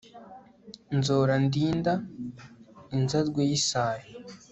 nzora ndinda inzarwe y'isayo